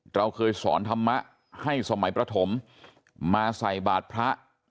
เราเคยสอนธรรมะให้สมัยประถมมาใส่บาทพระ